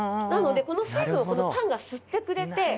なのでこの水分をパンが吸ってくれて。